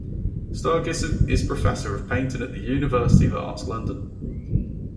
Sturgis is professor of painting at the University of the Arts London.